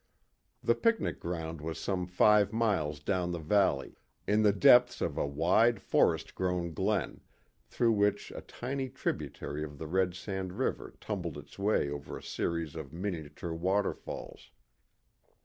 The picnic ground was some five miles down the valley, in the depths of a wide, forest grown glen, through which a tiny tributary of the Red Sand River tumbled its way over a series of miniature waterfalls.